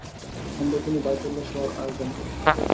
সন্ধ্যায় তিনি বাইতুল্লায় শোয়ার আয়োজন করলেন।